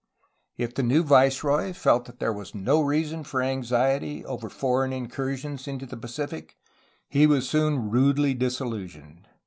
If the new viceroy felt that there was no reason for anxiety over foreign incursions into the Pacific he was soon rudely disillusioned.